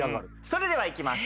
それではいきます。